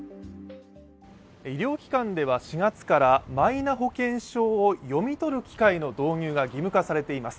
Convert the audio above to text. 医療機関では４月からマイナ保険証を読み取る機械の導入が義務化されています。